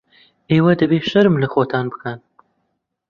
ئێوە دەبێت شەرم لە خۆتان بکەن.